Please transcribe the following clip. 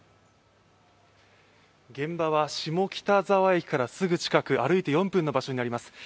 現場は下北沢駅からすぐ近く歩いて４分の場所になります。